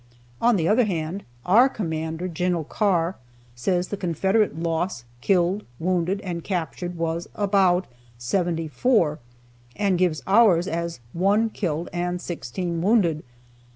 On the other hand, our commander, Gen. Carr, says the Confederate loss, killed, wounded and captured, was "about" 74, and gives ours as 1 killed and 16 wounded.